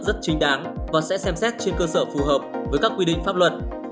rất chính đáng và sẽ xem xét trên cơ sở phù hợp với các quy định pháp luật